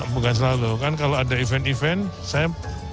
bukan selalu kan kalau ada event event saya